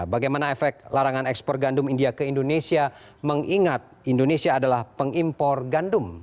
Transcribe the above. bagaimana efek larangan ekspor gandum india ke indonesia mengingat indonesia adalah pengimpor gandum